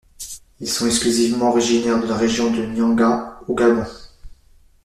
Ils sont exclusivement originaires de la région de la Nyanga au Gabon.